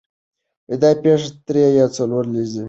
دا پېښه درې یا څلور لسیزې مخکې شوې وه.